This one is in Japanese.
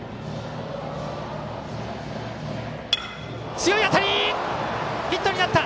強い当たりがヒットになった。